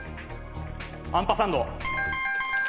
アンパサンド。